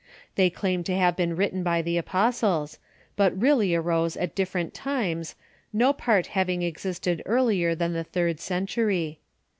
ihey claim to have been written by the apostles, but really arose at differ ent times, no part having existed earlier than the third cen tury.